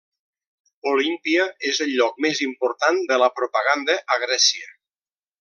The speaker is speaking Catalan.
Olímpia és el lloc més important de la propaganda a Grècia.